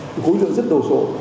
thì khối lượng rất đồ sộ